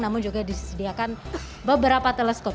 namun juga disediakan beberapa teleskop